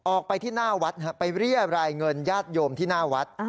ออกไปที่หน้าวัดไปเรียบรายเงินญาติโยมที่หน้าวัด